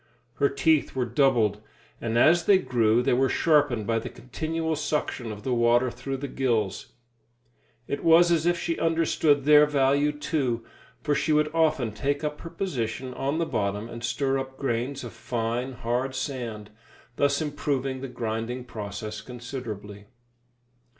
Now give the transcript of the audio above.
Her teeth were doubled, and as they grew they were sharpened by the continual suction of the water through the gills. It was as if she understood their value, too, for she would often take up her position on the bottom and stir up grains of fine, hard sand, thus improving the grinding process considerably.